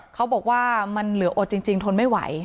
เขาบอกว่ามันเหลืออดจริงทนไม่ไหว